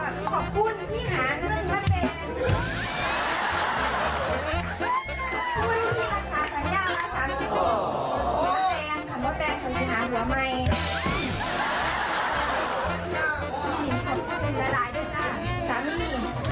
นี่ค่ะเป็นร้ายด้วยค่ะสามี